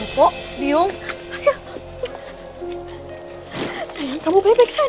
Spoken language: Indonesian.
jawab dinda naungulan